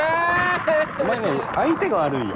お前ね相手が悪いよ。